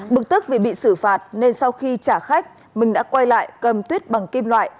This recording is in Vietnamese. bực tức vì bị xử phạt nên sau khi trả khách mừng đã quay lại cầm tuyết bằng kim loại